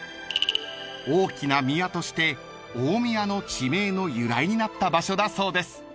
［「大きな宮」として大宮の地名の由来になった場所だそうです］